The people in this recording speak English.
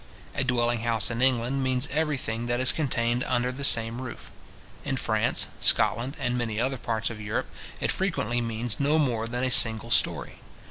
A dwelling house in England means every thing that is contained under the same roof. In France, Scotland, and many other parts of Europe, it frequently means no more than a single storey.